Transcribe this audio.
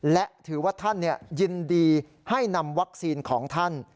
และถือว่าท่านยินดีให้นำวัคซีนของท่าน